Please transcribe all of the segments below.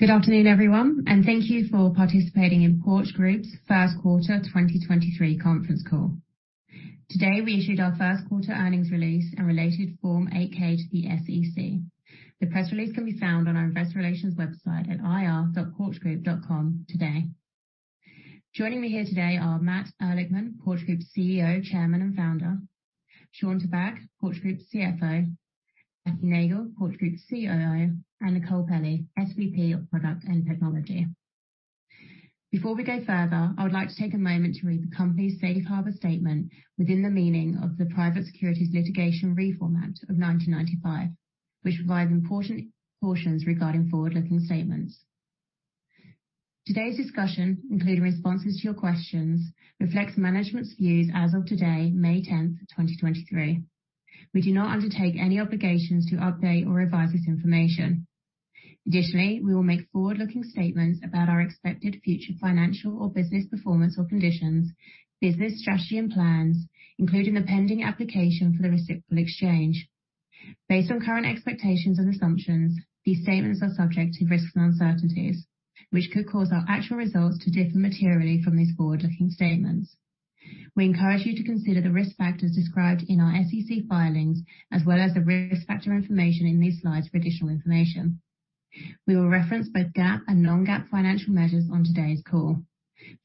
Good afternoon, everyone, and thank you for participating in Porch Group's First Quarter 2023 Conference Call. Today, we issued our first quarter earnings release and related Form 8-K to the SEC. The press release can be found on our Investor Relations website at ir.porchgroup.com today. Joining me here today are Matt Ehrlichman, Porch Group's CEO, Chairman, and Founder, Shawn Tabak, Porch Group's CFO, Matthew Neagle, Porch Group's COO, and Nicole Pelley, SVP of Product and Technology. Before we go further, I would like to take a moment to read the company's safe harbor statement within the meaning of the Private Securities Litigation Reform Act of 1995, which provides important cautions regarding forward-looking statements. Today's discussion, including responses to your questions, reflects management's views as of today, May 10, 2023. We do not undertake any obligations to update or revise this information. We will make forward-looking statements about our expected future financial or business performance or conditions, business strategy and plans, including the pending application for the reciprocal exchange. Based on current expectations and assumptions, these statements are subject to risks and uncertainties, which could cause our actual results to differ materially from these forward-looking statements. We encourage you to consider the risk factors described in our SEC filings as well as the risk factor information in these slides for additional information. We will reference both GAAP and non-GAAP financial measures on today's call.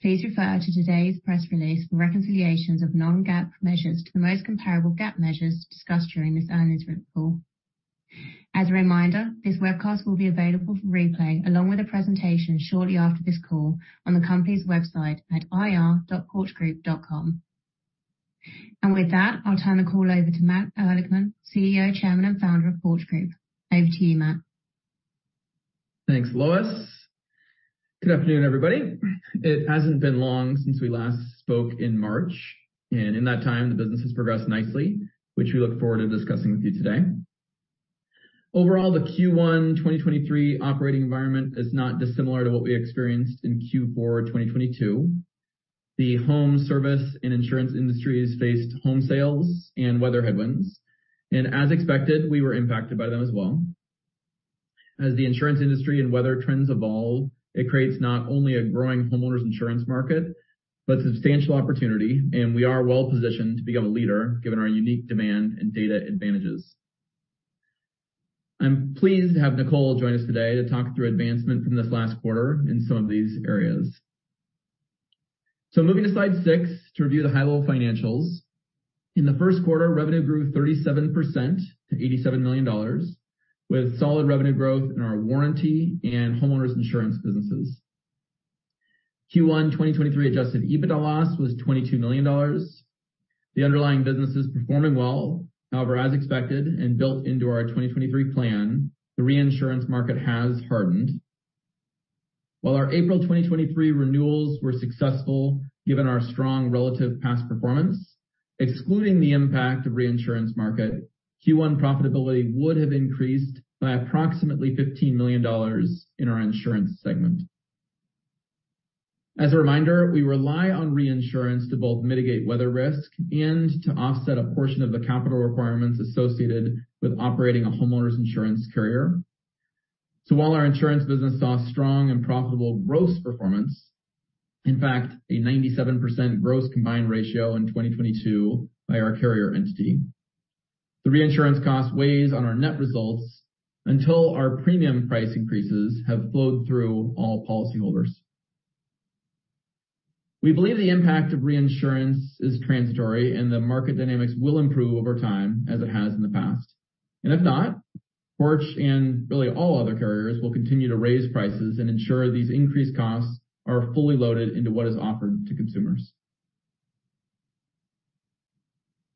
Please refer to today's press release for reconciliations of non-GAAP measures to the most comparable GAAP measures discussed during this earnings call. As a reminder, this webcast will be available for replay along with a presentation shortly after this call on the company's website at ir.porchgroup.com. With that, I'll turn the call over to Matt Ehrlichman, CEO, Chairman, and Founder of Porch Group. Over to you, Matt. Thanks, Lois. Good afternoon, everybody. It hasn't been long since we last spoke in March. In that time, the business has progressed nicely, which we look forward to discussing with you today. Overall, the Q1 2023 operating environment is not dissimilar to what we experienced in Q4 2022. The home service and insurance industries faced home sales and weather headwinds, and as expected, we were impacted by them as well. As the insurance industry and weather trends evolve, it creates not only a growing homeowners insurance market but substantial opportunity, and we are well-positioned to become a leader given our unique demand and data advantages. I'm pleased to have Nicole join us today to talk through advancement from this last quarter in some of these areas. Moving to slide six to review the high-level financials. In the first quarter, revenue grew 37% to $87 million, with solid revenue growth in our warranty and homeowners insurance businesses. Q1 2023 Adjusted EBITDA loss was $22 million. The underlying business is performing well. As expected and built into our 2023 plan, the reinsurance market has hardened. While our April 2023 renewals were successful given our strong relative past performance, excluding the impact of reinsurance market, Q1 profitability would have increased by approximately $15 million in our insurance segment. As a reminder, we rely on reinsurance to both mitigate weather risk and to offset a portion of the capital requirements associated with operating a homeowners insurance carrier. While our insurance business saw strong and profitable gross performance, in fact, a 97% gross combined ratio in 2022 by our carrier entity, the reinsurance cost weighs on our net results until our premium price increases have flowed through all policyholders. We believe the impact of reinsurance is transitory, and the market dynamics will improve over time as it has in the past. If not, Porch and really all other carriers will continue to raise prices and ensure these increased costs are fully loaded into what is offered to consumers.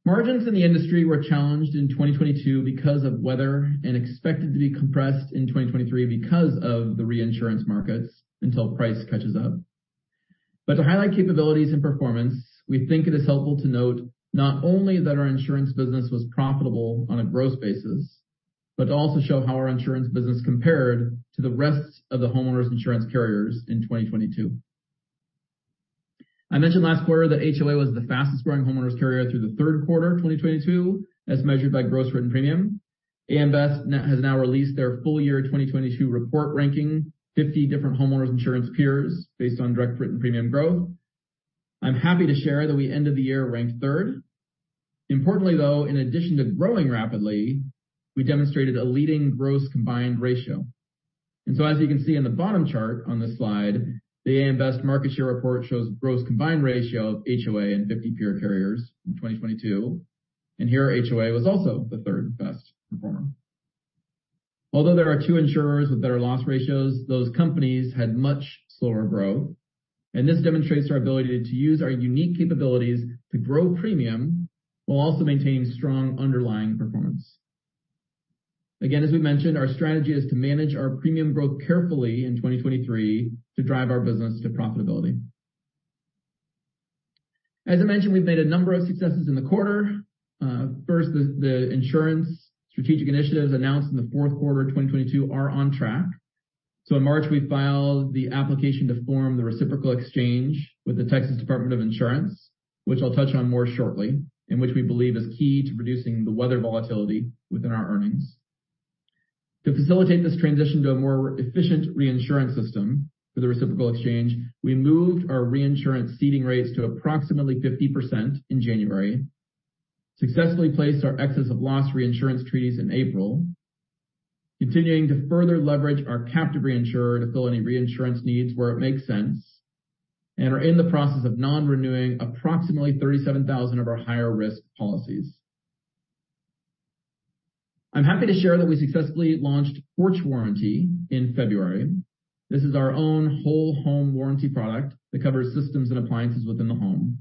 Margins in the industry were challenged in 2022 because of weather and expected to be compressed in 2023 because of the reinsurance markets until price catches up. To highlight capabilities and performance, we think it is helpful to note not only that our insurance business was profitable on a gross basis, but to also show how our insurance business compared to the rest of the homeowners insurance carriers in 2022. I mentioned last quarter that HOA was the fastest-growing homeowners carrier through the third quarter 2022, as measured by gross written premium. AM Best has now released their full year 2022 report ranking 50 different homeowners insurance peers based on direct written premium growth. I'm happy to share that we ended the year ranked third. Importantly, though, in addition to growing rapidly, we demonstrated a leading gross combined ratio. As you can see in the bottom chart on this slide, the AM Best market share report shows gross combined ratio of HOA and 50 peer carriers in 2022. Here HOA was also the third-best performer. Although there are two insurers with better loss ratios, those companies had much slower growth, and this demonstrates our ability to use our unique capabilities to grow premium while also maintaining strong underlying performance. Again, as we mentioned, our strategy is to manage our premium growth carefully in 2023 to drive our business to profitability. As I mentioned, we've made a number of successes in the quarter. First, the insurance strategic initiatives announced in the fourth quarter of 2022 are on track. In March, we filed the application to form the reciprocal exchange with the Texas Department of Insurance, which I'll touch on more shortly, and which we believe is key to reducing the weather volatility within our earnings. To facilitate this transition to a more efficient reinsurance system for the reciprocal exchange, we moved our reinsurance ceding rates to approximately 50% in January, successfully placed our excess of loss reinsurance treaties in April, continuing to further leverage our captive reinsurer to fill any reinsurance needs where it makes sense, and are in the process of non-renewing approximately 37,000 of our higher risk policies. I'm happy to share that we successfully launched Porch Warranty in February. This is our own whole home warranty product that covers systems and appliances within the home.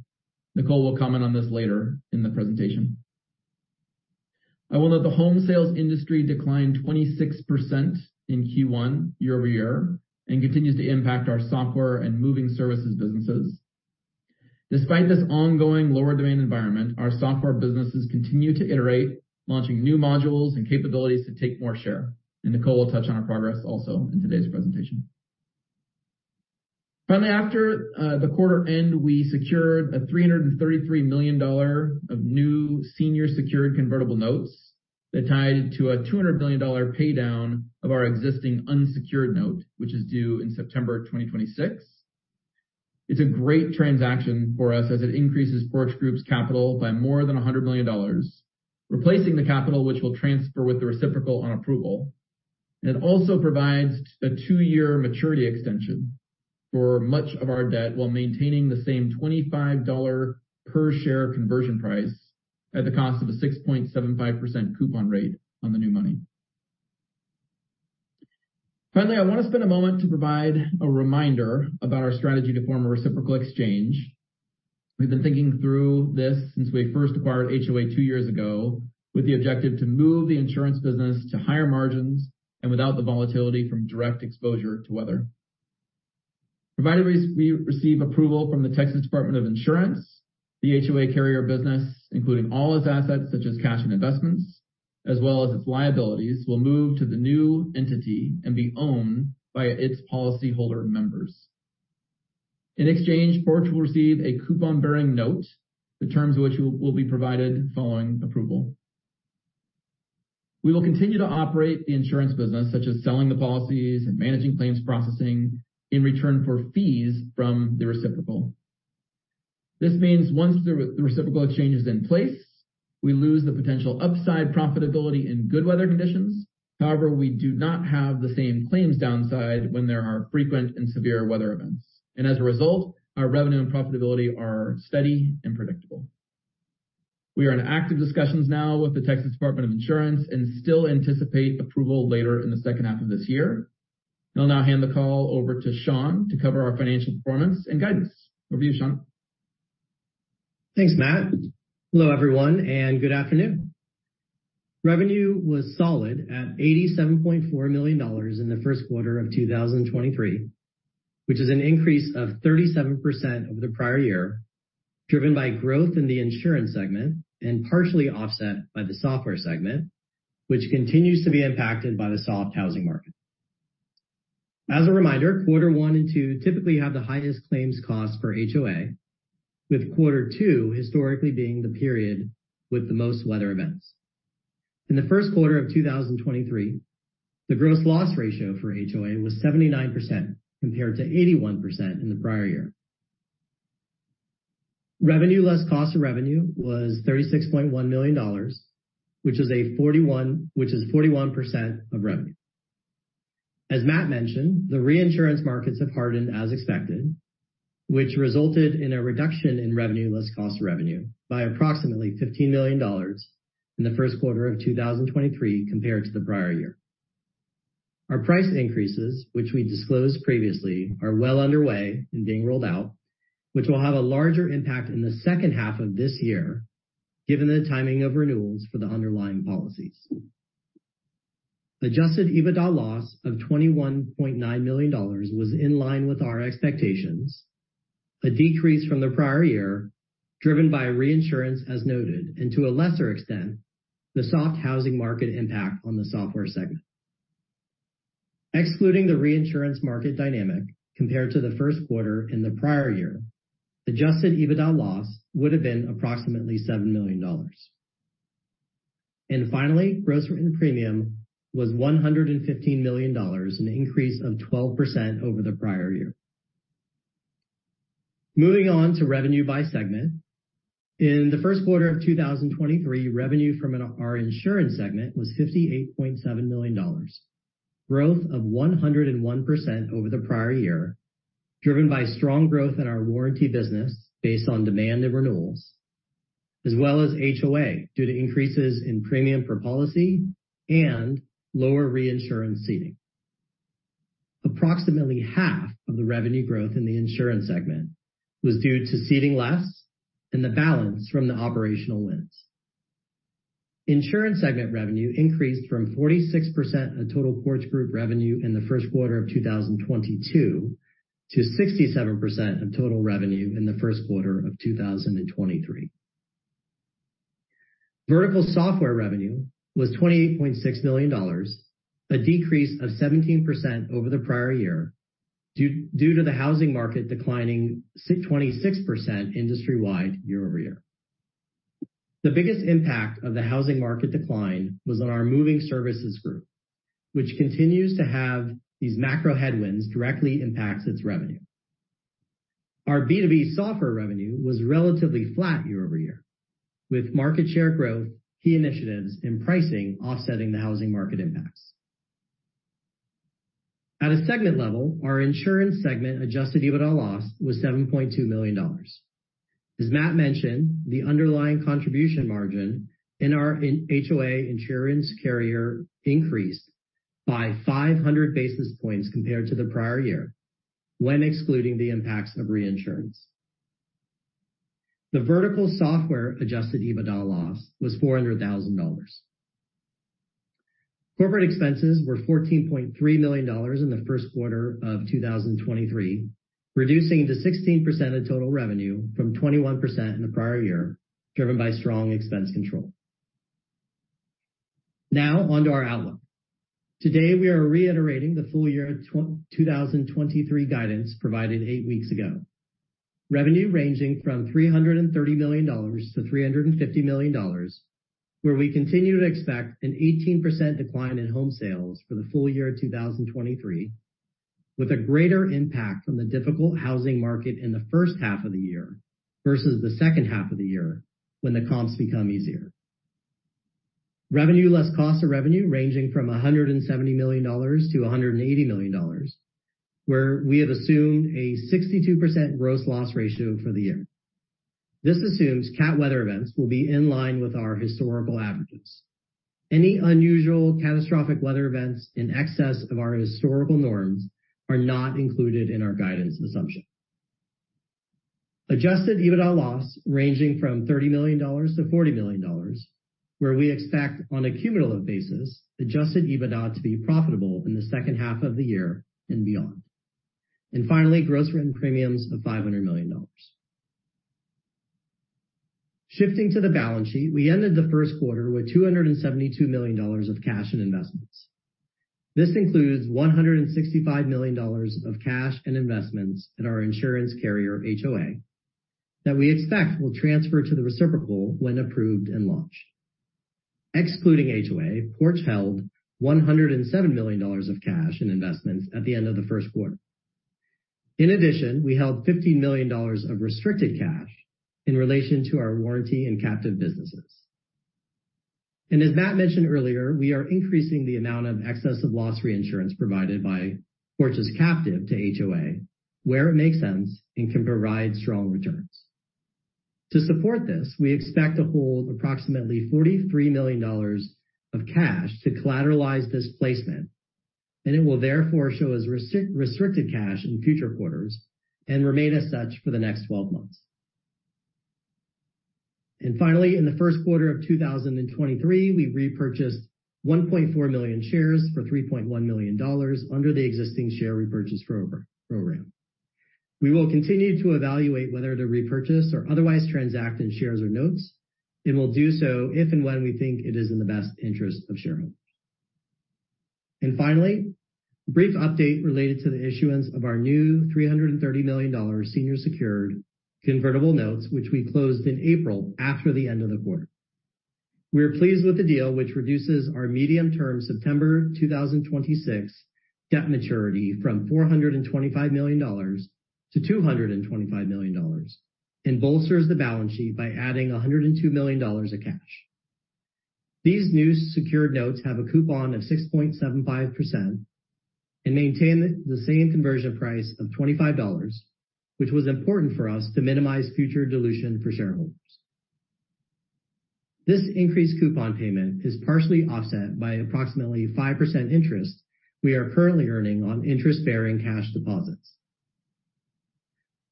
Nicole will comment on this later in the presentation. I will note the home sales industry declined 26% in Q1 year-over-year and continues to impact our software and moving services businesses. Despite this ongoing lower demand environment, our software businesses continue to iterate, launching new modules and capabilities to take more share, and Nicole will touch on our progress also in today's presentation. Finally, after the quarter end, we secured a $333 million of new senior secured convertible notes that tied to a $200 million pay down of our existing unsecured note, which is due in September of 2026. It's a great transaction for us as it increases Porch Group's capital by more than $100 million, replacing the capital which we'll transfer with the reciprocal on approval. It also provides a two-year maturity extension for much of our debt while maintaining the same $25 per share conversion price at the cost of a 6.75% coupon rate on the new money. Finally, I wanna spend a moment to provide a reminder about our strategy to form a reciprocal exchange. We've been thinking through this since we first acquired HOA two years ago, with the objective to move the insurance business to higher margins and without the volatility from direct exposure to weather. Provided we receive approval from the Texas Department of Insurance, the HOA carrier business, including all its assets, such as cash and investments, as well as its liabilities, will move to the new entity and be owned by its policyholder members. In exchange, Porch will receive a coupon-bearing note, the terms of which will be provided following approval. We will continue to operate the insurance business, such as selling the policies and managing claims processing in return for fees from the reciprocal. This means once the reciprocal exchange is in place, we lose the potential upside profitability in good weather conditions. However, we do not have the same claims downside when there are frequent and severe weather events. As a result, our revenue and profitability are steady and predictable. We are in active discussions now with the Texas Department of Insurance and still anticipate approval later in the second half of this year. I'll now hand the call over to Shawn to cover our financial performance and guidance. Over to you, Shawn. Thanks, Matt. Good afternoon. Revenue was solid at $87.4 million in the first quarter of 2023, which is an increase of 37% over the prior year, driven by growth in the insurance segment and partially offset by the software segment, which continues to be impacted by the soft housing market. As a reminder, quarter one and two typically have the highest claims cost for HOA, with quarter two historically being the period with the most weather events. In the first quarter of 2023, the gross loss ratio for HOA was 79%, compared to 81% in the prior year. Revenue less cost of revenue was $36.1 million, which is 41% of revenue. As Matt mentioned, the reinsurance markets have hardened as expected, which resulted in a reduction in revenue less cost of revenue by approximately $15 million in the first quarter of 2023 compared to the prior year. Our price increases, which we disclosed previously, are well underway and being rolled out, which will have a larger impact in the second half of this year, given the timing of renewals for the underlying policies. Adjusted EBITDA loss of $21.9 million was in line with our expectations, a decrease from the prior year, driven by reinsurance as noted, and to a lesser extent, the soft housing market impact on the software segment. Excluding the reinsurance market dynamic compared to the first quarter in the prior year, Adjusted EBITDA loss would have been approximately $7 million. Finally, gross written premium was $115 million, an increase of 12% over the prior year. Moving on to revenue by segment. In the first quarter of 2023, revenue from our insurance segment was $58.7 million, growth of 101% over the prior year, driven by strong growth in our warranty business based on demand and renewals, as well as HOA, due to increases in premium per policy and lower reinsurance ceding. Approximately half of the revenue growth in the insurance segment was due to ceding less and the balance from the operational wins. Insurance segment revenue increased from 46% of total Porch Group revenue in the first quarter of 2022 to 67% of total revenue in the first quarter of 2023. Vertical software revenue was $28.6 million, a decrease of 17% over the prior year due to the housing market declining 26% industry-wide year-over-year. The biggest impact of the housing market decline was on our moving services group, which continues to have these macro headwinds directly impacts its revenue. Our B2B software revenue was relatively flat year-over-year, with market share growth, key initiatives in pricing offsetting the housing market impacts. At a segment level, our insurance segment Adjusted EBITDA loss was $7.2 million. As Matt mentioned, the underlying contribution margin in our HOA insurance carrier increased by 500 basis points compared to the prior year when excluding the impacts of reinsurance. The vertical software Adjusted EBITDA loss was $400,000. Corporate expenses were $14.3 million in the first quarter of 2023, reducing to 16% of total revenue from 21% in the prior year, driven by strong expense control. On to our outlook. Today, we are reiterating the full year 2023 guidance provided eight weeks ago. Revenue ranging from $330 million-$350 million, where we continue to expect an 18% decline in home sales for the full year 2023, with a greater impact from the difficult housing market in the first half of the year versus the second half of the year when the comps become easier. Revenue less cost of revenue ranging from $170 million-$180 million, where we have assumed a 62% gross loss ratio for the year. This assumes CAT weather events will be in line with our historical averages. Any unusual catastrophic weather events in excess of our historical norms are not included in our guidance assumption. Adjusted EBITDA loss ranging from $30 million-$40 million, where we expect on a cumulative basis Adjusted EBITDA to be profitable in the second half of the year and beyond. Finally, gross written premiums of $500 million. Shifting to the balance sheet, we ended the first quarter with $272 million of cash and investments. This includes $165 million of cash and investments in our insurance carrier, HOA, that we expect will transfer to the reciprocal when approved and launched. Excluding HOA, Porch held $107 million of cash in investments at the end of the first quarter. In addition, we held $15 million of restricted cash in relation to our warranty and captive businesses. As Matt mentioned earlier, we are increasing the amount of excess of loss reinsurance provided by Porch's captive to HOA where it makes sense and can provide strong returns. To support this, we expect to hold approximately $43 million of cash to collateralize this placement, and it will therefore show as restricted cash in future quarters and remain as such for the next 12 months. Finally, in the first quarter of 2023, we repurchased 1.4 million shares for $3.1 million under the existing share repurchase program. We will continue to evaluate whether to repurchase or otherwise transact in shares or notes, and we'll do so if and when we think it is in the best interest of shareholders. Finally, a brief update related to the issuance of our new $330 million senior secured convertible notes, which we closed in April after the end of the quarter. We are pleased with the deal, which reduces our medium-term September 2026 debt maturity from $425 million to $225 million, and bolsters the balance sheet by adding $102 million of cash. These new secured notes have a coupon of 6.75% and maintain the same conversion price of $25, which was important for us to minimize future dilution for shareholders. This increased coupon payment is partially offset by approximately 5% interest we are currently earning on interest-bearing cash deposits.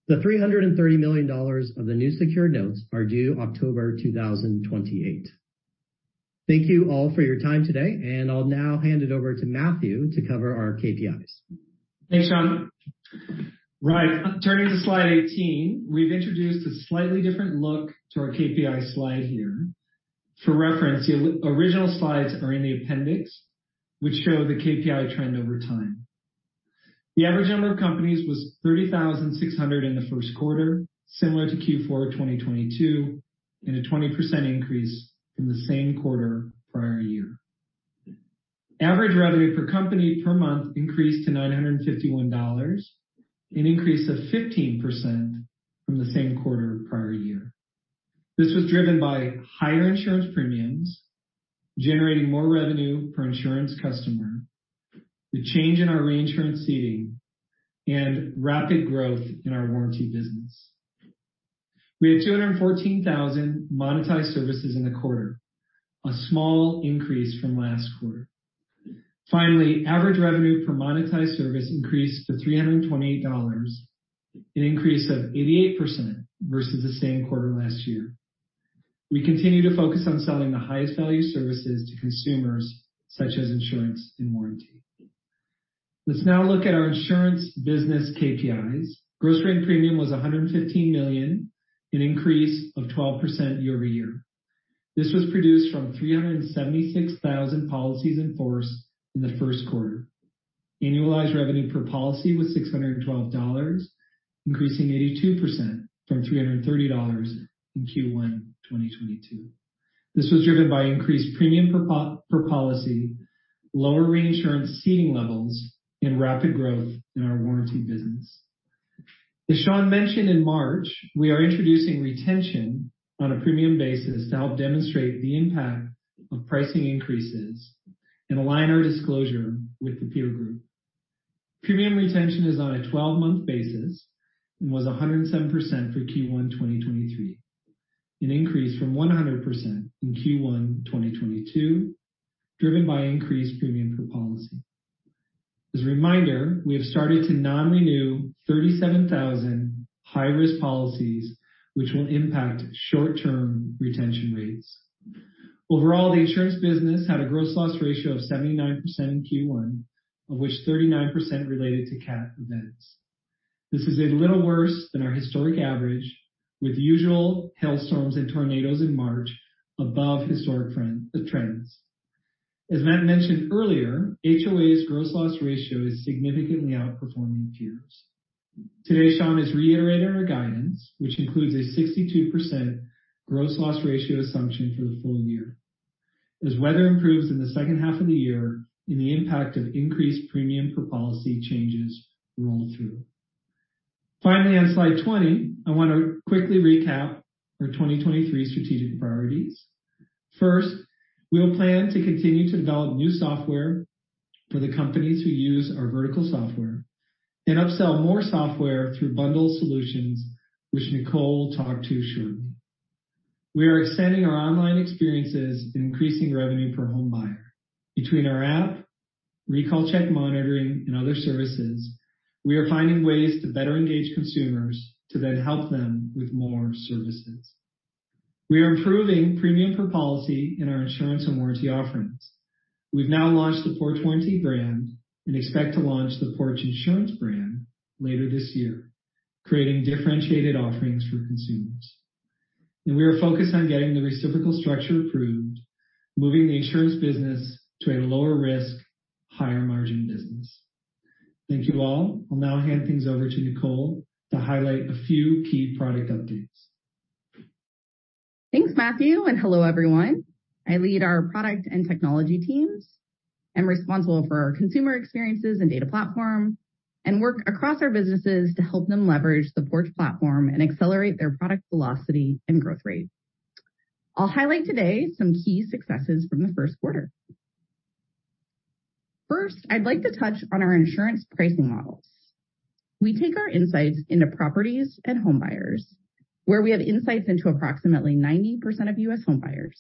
The $330 million of the new secured notes are due October 2028. Thank you all for your time today, and I'll now hand it over to Matthew to cover our KPIs. Thanks, Shawn. Turning to slide 18, we've introduced a slightly different look to our KPI slide here. For reference, the original slides are in the appendix, which show the KPI trend over time. The average number of companies was 30,600 in the first quarter, similar to Q4 2022 and a 20% increase from the same quarter prior year. Average revenue per company per month increased to $951, an increase of 15% from the same quarter prior year. This was driven by higher insurance premiums, generating more revenue per insurance customer, the change in our reinsurance ceding, and rapid growth in our warranty business. We had 214,000 monetized services in the quarter, a small increase from last quarter. Finally, average revenue per monetized service increased to $328, an increase of 88% versus the same quarter last year. We continue to focus on selling the highest value services to consumers such as insurance and warranty. Let's now look at our insurance business KPIs. Gross written premium was $115 million, an increase of 12% year-over-year. This was produced from 376,000 policies in force in the first quarter. Annualized revenue per policy was $612, increasing 82% from $330 in Q1 2022. This was driven by increased premium per policy, lower reinsurance ceding levels, and rapid growth in our warranty business. Shawn mentioned in March, we are introducing retention on a premium basis to help demonstrate the impact of pricing increases and align our disclosure with the peer group. Premium retention is on a 12-month basis and was 107% for Q1 2023, an increase from 100% in Q1 2022, driven by increased premium per policy. A reminder, we have started to non-renew 37,000 high-risk policies, which will impact short-term retention rates. Overall, the insurance business had a gross loss ratio of 79% in Q1, of which 39% related to CAT events. This is a little worse than our historic average, with usual hailstorms and tornadoes in March above historic trends. Matt mentioned earlier, HOA's gross loss ratio is significantly outperforming peers. Today, Shawn is reiterating our guidance, which includes a 62% gross loss ratio assumption for the full year. Weather improves in the second half of the year and the impact of increased premium per policy changes roll through. On slide 20, I wanna quickly recap our 2023 strategic priorities. We'll plan to continue to develop new software for the companies who use our vertical software and upsell more software through bundled solutions, which Nicole will talk to shortly. We are extending our online experiences and increasing revenue per homebuyer. Between our app, Recall Check Monitoring, and other services, we are finding ways to better engage consumers to then help them with more services. We are improving premium per policy in our insurance and warranty offerings. We've now launched the Porch Warranty brand and expect to launch the Porch Insurance brand later this year, creating differentiated offerings for consumers. We are focused on getting the reciprocal structure approved, moving the insurance business to a lower risk, higher margin business. Thank you all. I'll now hand things over to Nicole to highlight a few key product updates. Thanks, Matthew, and hello, everyone. I lead our product and technology teams and responsible for our consumer experiences and data platform, and work across our businesses to help them leverage the Porch platform and accelerate their product velocity and growth rate. I'll highlight today some key successes from the first quarter. First, I'd like to touch on our insurance pricing models. We take our insights into properties and home buyers, where we have insights into approximately 90% of U.S. home buyers.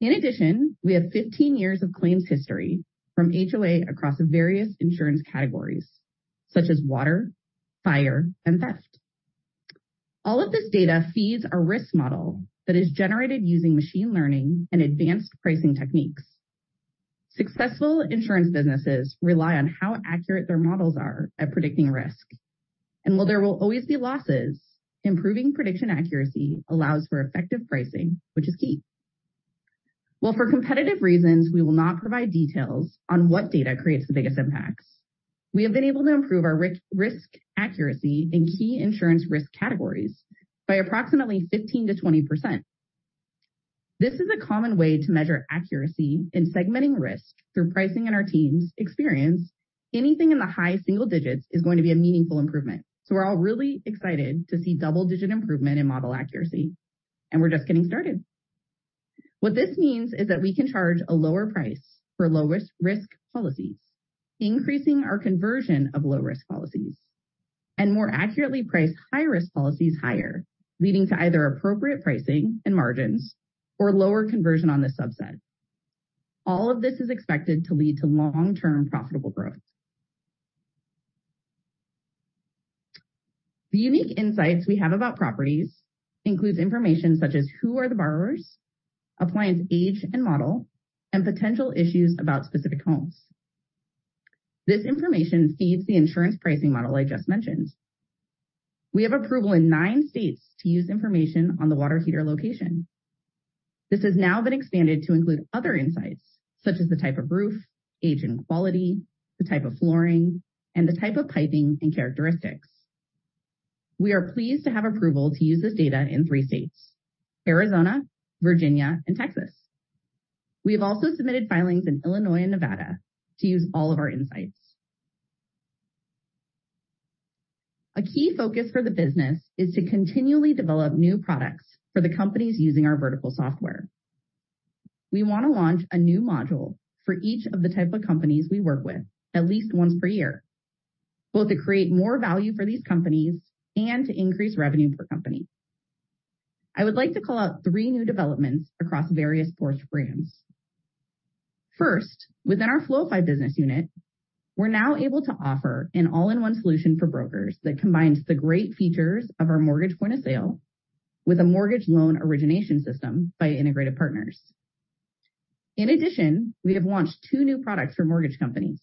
In addition, we have 15 years of claims history from HOA across various insurance categories such as water, fire, and theft. All of this data feeds a risk model that is generated using machine learning and advanced pricing techniques. Successful insurance businesses rely on how accurate their models are at predicting risk. While there will always be losses, improving prediction accuracy allows for effective pricing, which is key. While for competitive reasons, we will not provide details on what data creates the biggest impacts, we have been able to improve our risk accuracy in key insurance risk categories by approximately 15%-20%. This is a common way to measure accuracy in segmenting risk through pricing and our team's experience. Anything in the high single digits is going to be a meaningful improvement. We're all really excited to see double-digit improvement in model accuracy, and we're just getting started. What this means is that we can charge a lower price for low-risk policies, increasing our conversion of low-risk policies, and more accurately price high-risk policies higher, leading to either appropriate pricing and margins or lower conversion on this subset. All of this is expected to lead to long-term profitable growth. The unique insights we have about properties includes information such as who are the borrowers, appliance age and model, and potential issues about specific homes. This information feeds the insurance pricing model I just mentioned. We have approval in nine states to use information on the water heater location. This has now been expanded to include other insights, such as the type of roof, age, and quality, the type of flooring, and the type of piping and characteristics. We are pleased to have approval to use this data in three states: Arizona, Virginia, and Texas. We have also submitted filings in Illinois and Nevada to use all of our insights. A key focus for the business is to continually develop new products for the companies using our vertical software. We wanna launch a new module for each of the type of companies we work with at least once per year, both to create more value for these companies and to increase revenue per company. I would like to call out three new developments across various Porch brands. First, within our Floify business unit, we're now able to offer an all-in-one solution for brokers that combines the great features of our mortgage point-of-sale with a mortgage loan origination system by integrated partners. In addition, we have launched two new products for mortgage companies.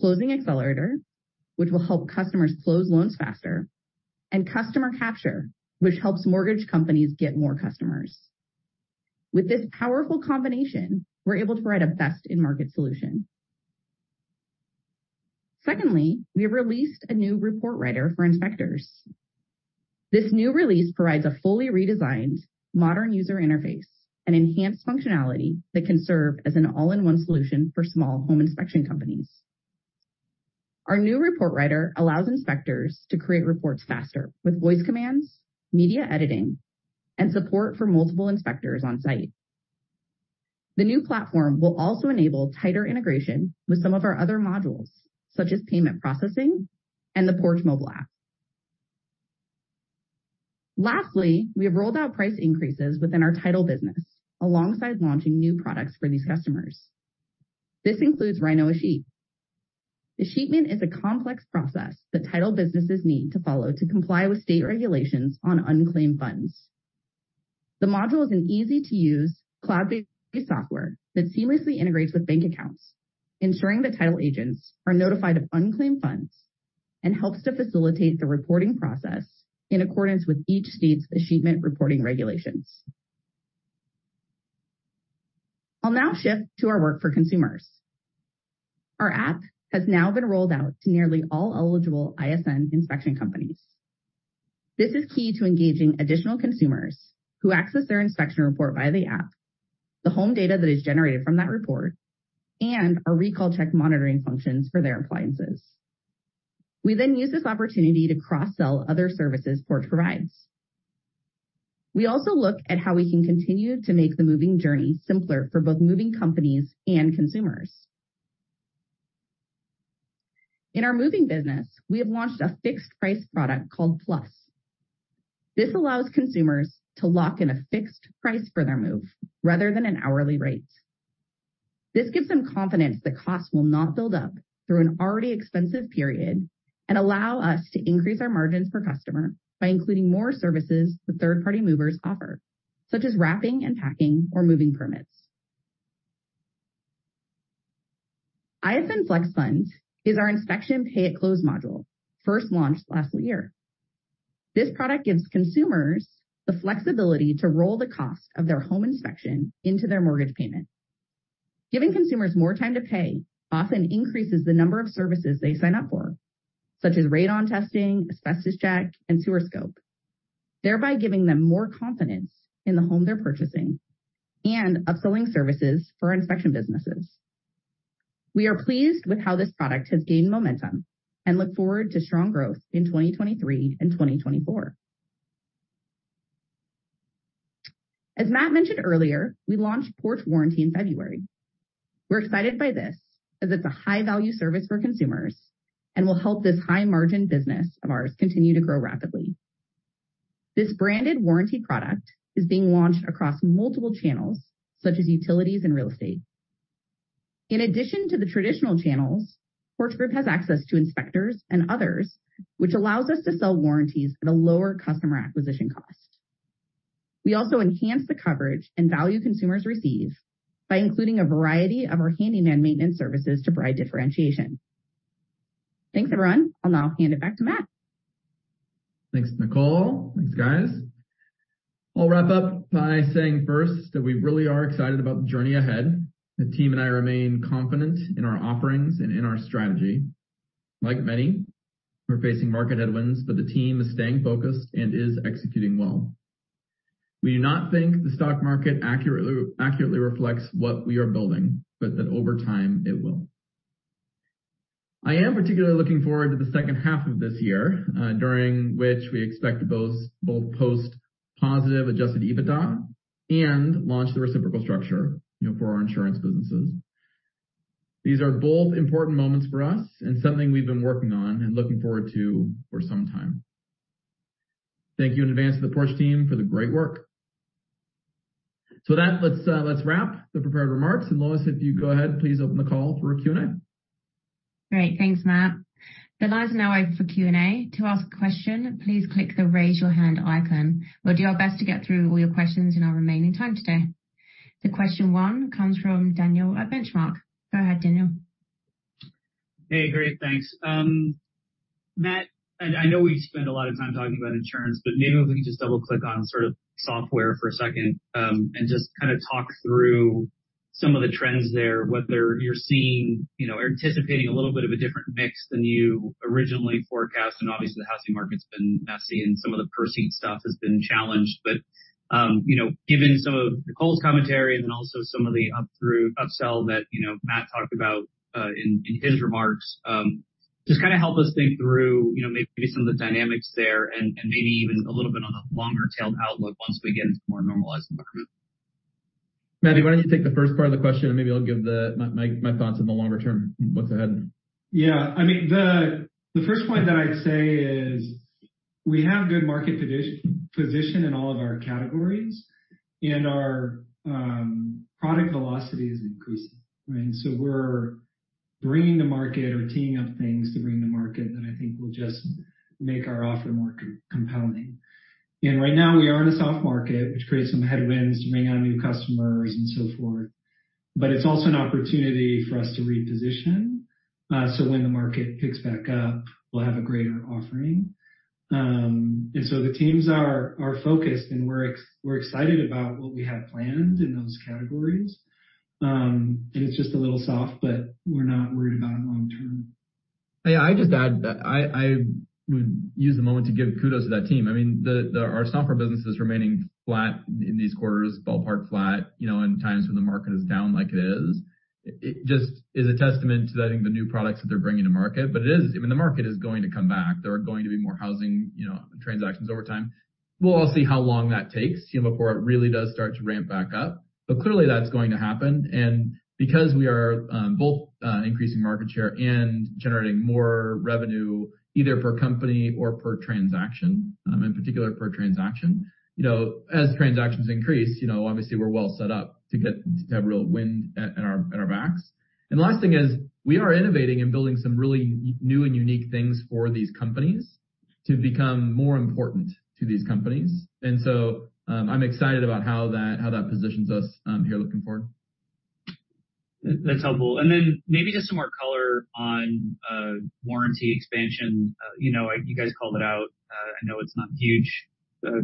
Closing Accelerator, which will help customers close loans faster, and Customer Capture, which helps mortgage companies get more customers. With this powerful combination, we're able to provide a best-in-market solution. Secondly, we have released a new report writer for inspectors. This new release provides a fully redesigned modern user interface and enhanced functionality that can serve as an all-in-one solution for small home inspection companies. Our new report writer allows inspectors to create reports faster with voice commands, media editing, and support for multiple inspectors on site. The new platform will also enable tighter integration with some of our other modules, such as payment processing and the Porch mobile app. Lastly, we have rolled out price increases within our title business alongside launching new products for these customers. This includes RynohEscheat. Escheatment is a complex process that title businesses need to follow to comply with state regulations on unclaimed funds. The module is an easy-to-use cloud-based software that seamlessly integrates with bank accounts, ensuring that title agents are notified of unclaimed funds, and helps to facilitate the reporting process in accordance with each state's escheatment reporting regulations. I'll now shift to our work for consumers. Our app has now been rolled out to nearly all eligible ISN inspection companies. This is key to engaging additional consumers who access their inspection report via the app, the home data that is generated from that report, and our Recall Check Monitoring functions for their appliances. We use this opportunity to cross-sell other services Porch provides. We also look at how we can continue to make the moving journey simpler for both moving companies and consumers. In our moving business, we have launched a fixed price product called Plus. This allows consumers to lock in a fixed price for their move rather than an hourly rate. This gives them confidence that costs will not build up through an already expensive period and allow us to increase our margins per customer by including more services the third-party movers offer, such as wrapping and packing or moving permits. ISN FlexFund is our inspection pay at close module, first launched last year. This product gives consumers the flexibility to roll the cost of their home inspection into their mortgage payment. Giving consumers more time to pay often increases the number of services they sign up for, such as radon testing, asbestos check, and sewer scope, thereby giving them more confidence in the home they're purchasing and upselling services for inspection businesses. We are pleased with how this product has gained momentum and look forward to strong growth in 2023 and 2024. As Matt mentioned earlier, we launched Porch Warranty in February. We're excited by this as it's a high-value service for consumers and will help this high-margin business of ours continue to grow rapidly. This branded warranty product is being launched across multiple channels such as utilities and real estate. In addition to the traditional channels, Porch Group has access to inspectors and others, which allows us to sell warranties at a lower customer acquisition cost. We also enhance the coverage and value consumers receive by including a variety of our handyman maintenance services to provide differentiation. Thanks, everyone. I'll now hand it back to Matt. Thanks, Nicole. Thanks, guys. I'll wrap up by saying first that we really are excited about the journey ahead. The team and I remain confident in our offerings and in our strategy. Like many, we're facing market headwinds, but the team is staying focused and is executing well. We do not think the stock market accurately reflects what we are building, but that over time, it will. I am particularly looking forward to the second half of this year, during which we expect to both post positive Adjusted EBITDA and launch the reciprocal structure, you know, for our insurance businesses. These are both important moments for us and something we've been working on and looking forward to for some time. Thank you in advance to the Porch Group team for the great work. With that, let's wrap the prepared remarks. Lois, if you go ahead, please open the call for Q&A. Great. Thanks, Matt. The line is now open for Q&A. To ask a question, please click the raise your hand icon. We'll do our best to get through all your questions in our remaining time today. Question one comes from Daniel at Benchmark. Go ahead, Daniel. Hey. Great. Thanks. Matt, I know we spend a lot of time talking about insurance, but maybe if we can just double-click on sort of software for a second, and just kinda talk through some of the trends there, whether you're seeing, you know, or anticipating a little bit of a different mix than you originally forecast. Obviously the housing market's been messy and some of the per seat stuff has been challenged. You know, given some of Nicole's commentary and then also some of the upsell that, you know, Matt talked about in his remarks, just kinda help us think through, you know, maybe some of the dynamics there and maybe even a little bit on the longer-tailed outlook once we get into a more normalized environment. Matthew, why don't you take the first part of the question, and maybe I'll give my thoughts on the longer term looks ahead. Yeah. I mean, the first point that I'd say is we have good market position in all of our categories, and our product velocity is increasing, right? Bringing to market or teeing up things to bring to market that I think will just make our offer more compelling. Right now we are in a soft market, which creates some headwinds to bring on new customers and so forth. It's also an opportunity for us to reposition, so when the market picks back up, we'll have a greater offering. The teams are focused, and we're excited about what we have planned in those categories. It's just a little soft, but we're not worried about it long term. Yeah. I'd just add that I would use the moment to give kudos to that team. I mean, our software business is remaining flat in these quarters, ballpark flat, you know, in times when the market is down like it is. It just is a testament to, I think the new products that they're bringing to market. It is, I mean, the market is going to come back. There are going to be more housing, you know, transactions over time. We'll all see how long that takes, you know, before it really does start to ramp back up. Clearly that's going to happen. Because we are both increasing market share and generating more revenue either per company or per transaction, in particular per transaction, you know, as transactions increase, you know, obviously we're well set up to have real wind at, in our, in our backs. The last thing is we are innovating and building some really new and unique things for these companies to become more important to these companies. I'm excited about how that, how that positions us here looking forward. That's helpful. Then maybe just some more color on warranty expansion. You know, you guys called it out. I know it's not a huge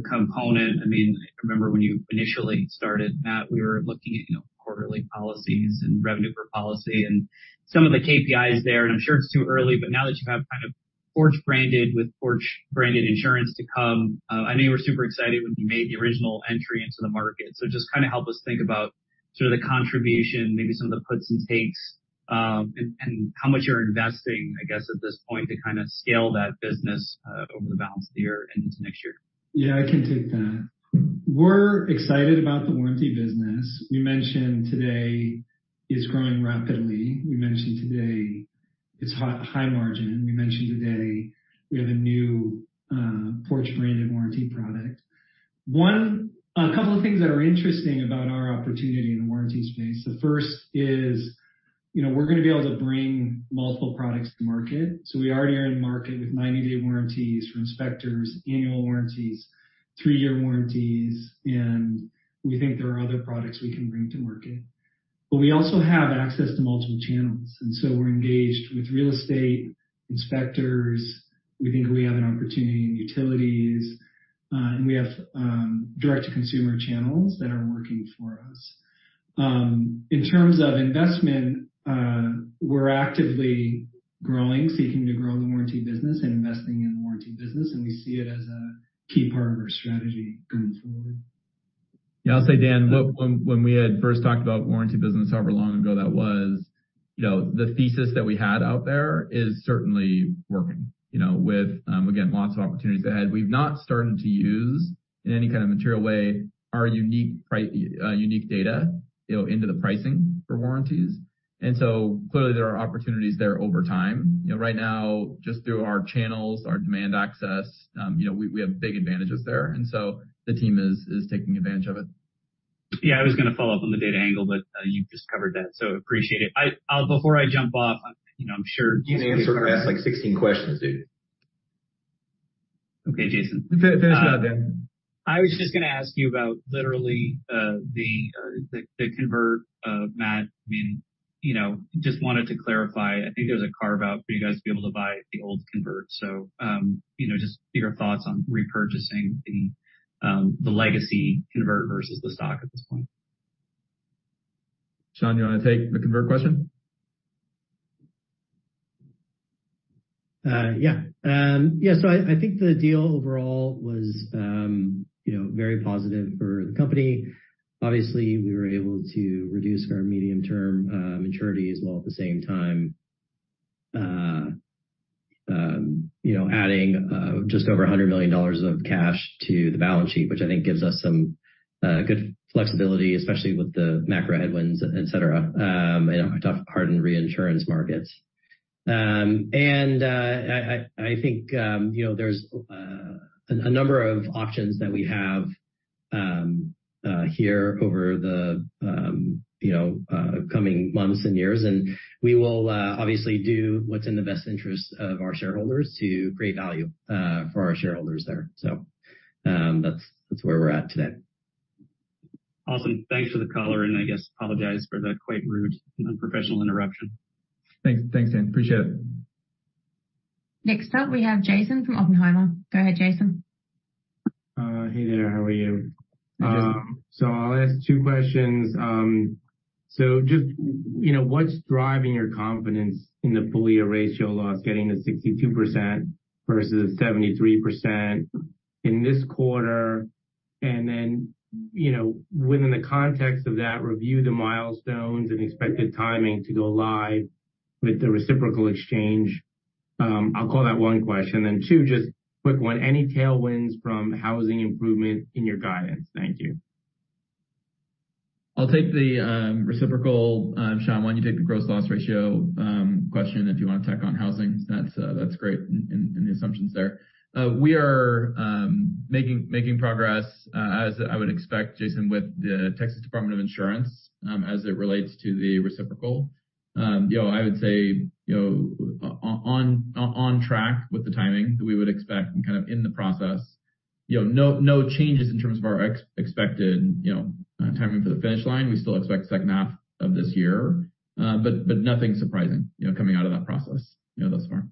component. I mean, I remember when you initially started, Matt, we were looking at, you know, quarterly policies and revenue per policy and some of the KPIs there, and I'm sure it's too early, but now that you have kind of Porch-branded with Porch-branded insurance to come, I know you were super excited when you made the original entry into the market. Just kind of help us think about sort of the contribution, maybe some of the puts and takes, and how much you're investing, I guess, at this point to kind of scale that business over the balance of the year and into next year. I can take that. We're excited about the warranty business. We mentioned today it's growing rapidly. We mentioned today it's high margin. We mentioned today we have a new Porch-branded warranty product. A couple of things that are interesting about our opportunity in the warranty space. The first is, you know, we're gonna be able to bring multiple products to market. We already are in market with 90-day warranties for inspectors, annual warranties, three-year warranties, and we think there are other products we can bring to market. We also have access to multiple channels, we're engaged with real estate inspectors. We think we have an opportunity in utilities, and we have direct-to-consumer channels that are working for us. In terms of investment, we're actively growing, seeking to grow the warranty business and investing in the warranty business, and we see it as a key part of our strategy going forward. Yeah, I'll say, Dan, look, when we had first talked about warranty business, however long ago that was, you know, the thesis that we had out there is certainly working, you know, with, again, lots of opportunities ahead. We've not started to use in any kind of material way our unique data, you know, into the pricing for warranties. Clearly there are opportunities there over time. You know, right now, just through our channels, our demand access, you know, we have big advantages there. The team is taking advantage of it. Yeah, I was gonna follow up on the data angle, but you've just covered that, so appreciate it. Before I jump off, you know. You've answered or asked, like, 16 questions, dude. Okay, Jason. There's nothing. I was just gonna ask you about literally, the convert, Matt. I mean, you know, just wanted to clarify. I think there was a carve-out for you guys to be able to buy the old convert. You know, just your thoughts on repurchasing the legacy convert versus the stock at this point? Shawn, do you wanna take the convert question? Yeah. Yeah. I think the deal overall was, you know, very positive for the company. Obviously, we were able to reduce our medium-term maturities while at the same time, you know, adding just over $100 million of cash to the balance sheet, which I think gives us some good flexibility, especially with the macro headwinds, et cetera, you know, tough hardened reinsurance markets. I think, you know, there's a number of options that we have here over the, you know, coming months and years. We will obviously do what's in the best interest of our shareholders to create value for our shareholders there. That's where we're at today. Awesome. Thanks for the color, and I guess apologize for the quite rude and unprofessional interruption. Thanks. Thanks, Dan. Appreciate it. Next up, we have Jason from Oppenheimer. Go ahead, Jason. Hey there. How are you? Hey, Jason. I'll ask two questions. Just, you know, what's driving your confidence in the fully ratio loss getting to 62% versus 73% in this quarter? You know, within the context of that, review the milestones and expected timing to go live with the reciprocal exchange. I'll call that one question. Two, just quick one. Any tailwinds from housing improvement in your guidance? Thank you. I'll take the reciprocal, Shawn, why don't you take the gross loss ratio question if you wanna tack on housing. That's great in the assumptions there. We are making progress as I would expect, Jason, with the Texas Department of Insurance as it relates to the reciprocal. You know, I would say, you know, on track with the timing that we would expect and kind of in the process, you know, no changes in terms of our expected, you know, timing for the finish line. We still expect second half of this year, but nothing surprising, you know, coming out of that process, you know, thus far.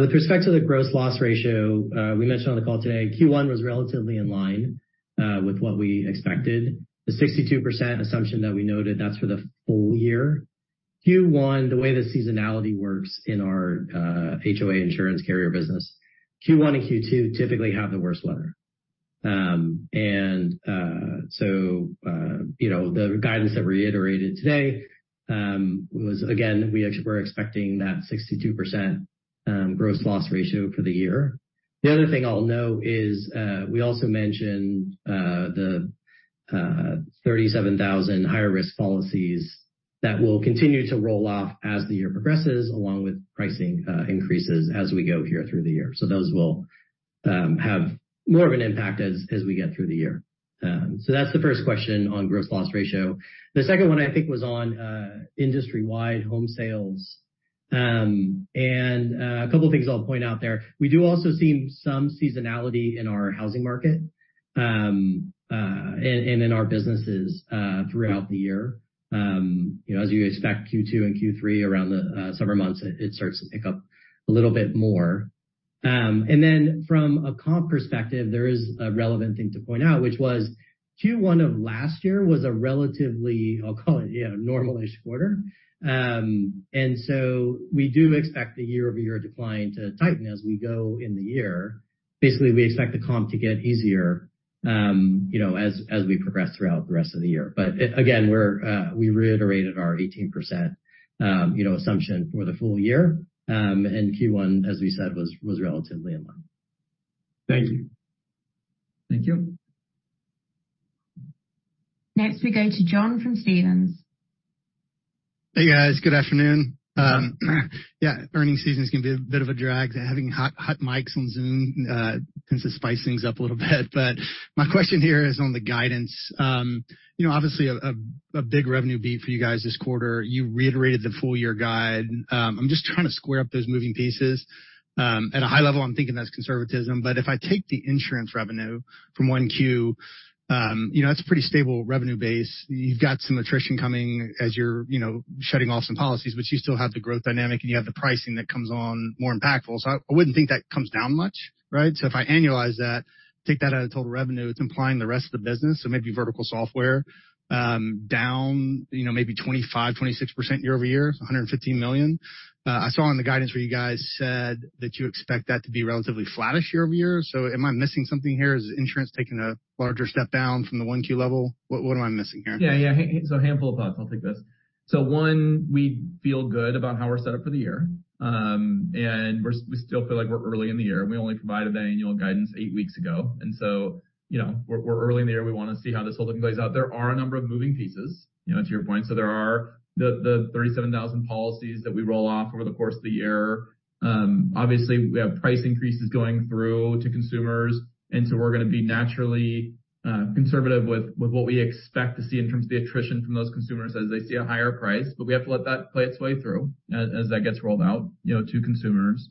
With respect to the gross loss ratio, we mentioned on the call today Q1 was relatively in line with what we expected. The 62% assumption that we noted, that's for the full year. Q1, the way the seasonality works in our HOA insurance carrier business, Q1 and Q2 typically have the worst weather. You know, the guidance that we reiterated today was again, we actually were expecting that 62% gross loss ratio for the year. The other thing I'll note is, we also mentioned the 37,000 higher risk policies that will continue to roll off as the year progresses, along with pricing increases as we go here through the year. Those will have more of an impact as we get through the year. That's the first question on gross loss ratio. The second one I think was on industry-wide home sales. A couple of things I'll point out there. We do also see some seasonality in our housing market and in our businesses throughout the year. You know, as you expect Q2 and Q3 around the summer months, it starts to pick up a little bit more. From a comp perspective, there is a relevant thing to point out, which was Q1 of last year was a relatively, I'll call it, you know, normal-ish quarter. We do expect the year-over-year decline to tighten as we go in the year. Basically, we expect the comp to get easier, you know, as we progress throughout the rest of the year. Again, we reiterated our 18%, you know, assumption for the full year, and Q1, as we said, was relatively in line. Thank you. Thank you. Next, we go to John from Stephens. Hey, guys. Good afternoon. Yeah, earnings season is gonna be a bit of a drag. Having hot mics on Zoom tends to spice things up a little bit. My question here is on the guidance. You know, obviously a big revenue beat for you guys this quarter. You reiterated the full year guide. I'm just trying to square up those moving pieces. At a high level, I'm thinking that's conservatism, but if I take the insurance revenue from 1Q, you know, that's a pretty stable revenue base. You've got some attrition coming as you're, you know, shutting off some policies, but you still have the growth dynamic, and you have the pricing that comes on more impactful. I wouldn't think that comes down much, right? If I annualize that, take that out of total revenue, it's implying the rest of the business. Maybe vertical software, down, you know, maybe 25%-26% year-over-year, $115 million. I saw in the guidance where you guys said that you expect that to be relatively flattish year-over-year. Am I missing something here? Is insurance taking a larger step down from the 1Q level? What am I missing here? Yeah, yeah. A handful of thoughts. I'll take this. One, we feel good about how we're set up for the year. And we still feel like we're early in the year. We only provided that annual guidance 8 weeks ago, you know, we're early in the year. We wanna see how this whole thing plays out. There are a number of moving pieces, you know, to your point. There are the 37,000 policies that we roll off over the course of the year. Obviously we have price increases going through to consumers, we're gonna be naturally, conservative with what we expect to see in terms of the attrition from those consumers as they see a higher price. We have to let that play its way through as that gets rolled out, you know, to consumers.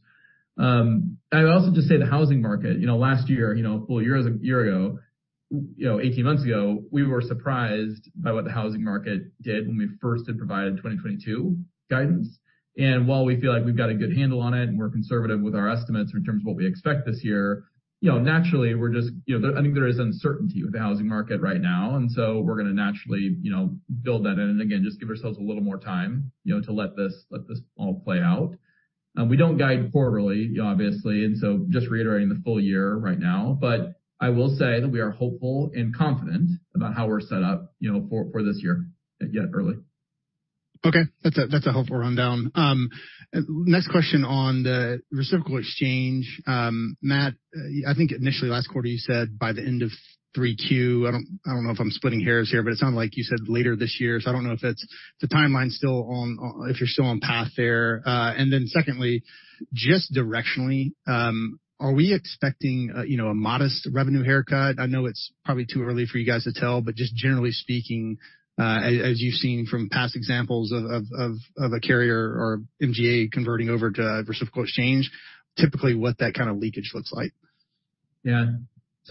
I would also just say the housing market, you know, last year, you know, well a year ago, you know, 18 months ago, we were surprised by what the housing market did when we first had provided 2022 guidance. While we feel like we've got a good handle on it and we're conservative with our estimates in terms of what we expect this year, you know, naturally we're just, you know, I think there is uncertainty with the housing market right now, so we're gonna naturally, you know, build that in. Again, just give ourselves a little more time, you know, to let this all play out. We don't guide quarterly, obviously, and so just reiterating the full year right now, but I will say that we are hopeful and confident about how we're set up, you know, for this year, yet early. Okay. That's a helpful rundown. Next question on the reciprocal exchange. Matt, I think initially last quarter you said by the end of 3Q. I don't know if I'm splitting hairs here, but it sounded like you said later this year. I don't know if that's the timeline still on if you're still on path there. Secondly, just directionally, are we expecting, you know, a modest revenue haircut? I know it's probably too early for you guys to tell, but just generally speaking, as you've seen from past examples of a carrier or MGA converting over to a reciprocal exchange, typically what that kind of leakage looks like.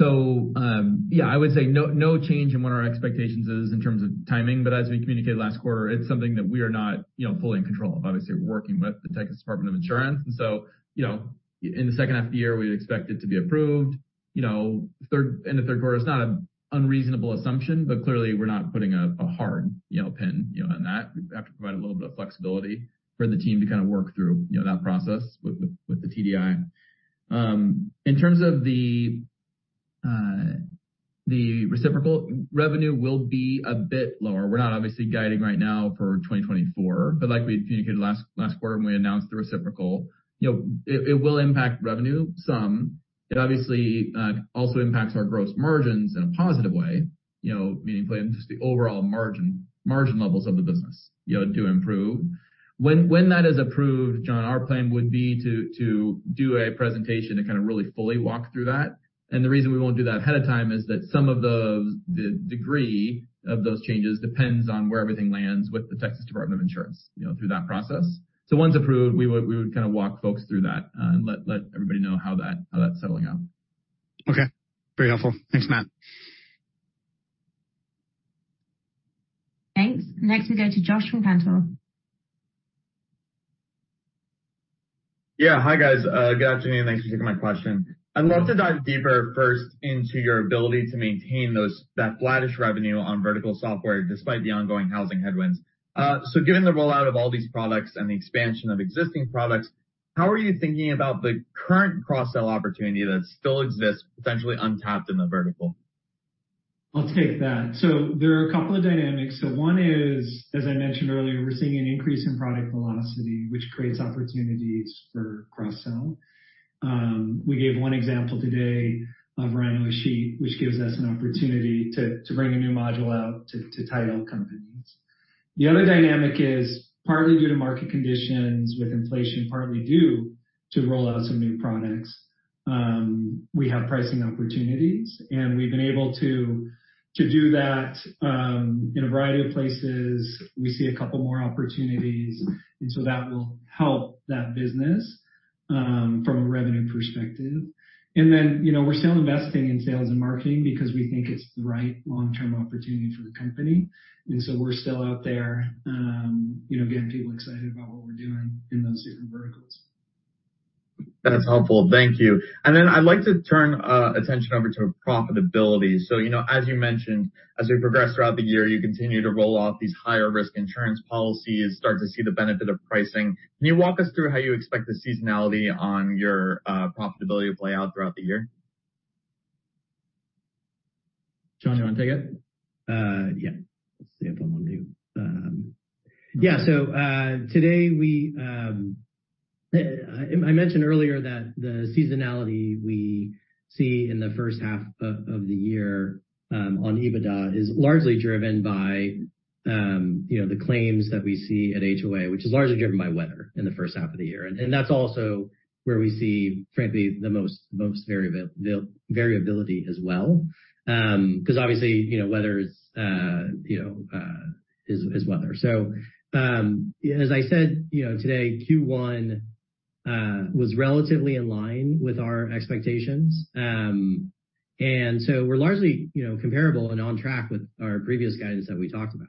I would say no change in what our expectations is in terms of timing, but as we communicated last quarter, it's something that we are not, you know, fully in control of. Obviously, we're working with the Texas Department of Insurance, you know, in the second half of the year, we'd expect it to be approved. End of 3rd quarter is not an unreasonable assumption, but clearly we're not putting a hard, you know, pin, you know, on that. We have to provide a little bit of flexibility for the team to kind of work through, you know, that process with the TDI. In terms of the reciprocal revenue will be a bit lower. We're not obviously guiding right now for 2024, but like we communicated last quarter when we announced the reciprocal, you know, it will impact revenue some. It obviously also impacts our gross margins in a positive way, you know, meaningfully, and just the overall margin levels of the business, you know, to improve. When that is approved, John, our plan would be to do a presentation to kind of really fully walk through that. The reason we won't do that ahead of time is that some of the degree of those changes depends on where everything lands with the Texas Department of Insurance, you know, through that process. Once approved, we would kind of walk folks through that and let everybody know how that's settling out. Okay. Very helpful. Thanks, Matt. Thanks. Next, we go to Josh from Cantor. Yeah. Hi, guys. Good afternoon, thanks for taking my question. I'd love to dive deeper first into your ability to maintain that flattish revenue on vertical software despite the ongoing housing headwinds. Given the rollout of all these products and the expansion of existing products, how are you thinking about the current cross-sell opportunity that still exists potentially untapped in the vertical? I'll take that. There are a couple of dynamics. One is, as I mentioned earlier, we're seeing an increase in product velocity, which creates opportunities for cross-sell. We gave one example today of RynohEscheat, which gives us an opportunity to bring a new module out to title companies. The other dynamic is partly due to market conditions with inflation, partly due to rollout of some new products. We have pricing opportunities, and we've been able to do that in a variety of places. We see a couple more opportunities, and so that will help that business from a revenue perspective. Then, you know, we're still investing in sales and marketing because we think it's the right long-term opportunity for the company. We're still out there, you know, getting people excited about what we're doing in those different verticals. That's helpful. Thank you. Then I'd like to turn attention over to profitability. You know, as you mentioned, as we progress throughout the year, you continue to roll out these higher risk insurance policies, start to see the benefit of pricing. Can you walk us through how you expect the seasonality on your profitability to play out throughout the year? Shawn, do you wanna take it? Yeah. Let's see if I'm on mute. Yeah. I mentioned earlier that the seasonality we see in the first half of the year, on EBITDA is largely driven by, you know, the claims that we see at HOA, which is largely driven by weather in the first half of the year. That's also where we see, frankly, the most variability as well. 'Cause obviously, you know, weather is, you know, is weather. As I said, you know, today, Q1 was relatively in line with our expectations. We're largely, you know, comparable and on track with our previous guidance that we talked about,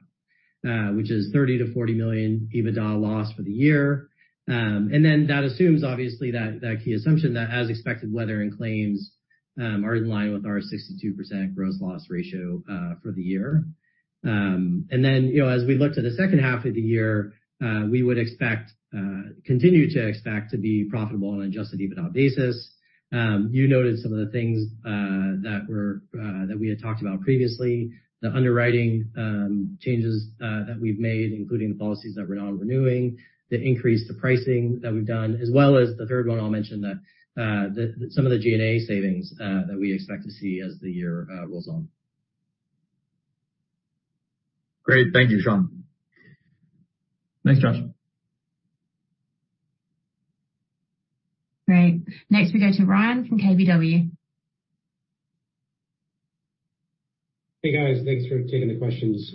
which is a $30 million-$40 million EBITDA loss for the year. That assumes obviously that key assumption that as expected, weather and claims are in line with our 62% gross loss ratio for the year. As we look to the second half of the year, we would expect continue to expect to be profitable on an Adjusted EBITDA basis. You noted some of the things that we had talked about previously, the underwriting changes that we've made, including the policies that we're now renewing, the increase to pricing that we've done, as well as the third one I'll mention that some of the G&A savings that we expect to see as the year rolls on. Great. Thank you, Shawn. Thanks, Josh. Great. Next we go to Ryan from KBW. Hey, guys. Thanks for taking the questions.